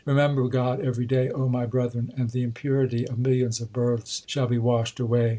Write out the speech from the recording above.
Remember God every day, O my brethren, And the impurity of millions of births shall be washed away.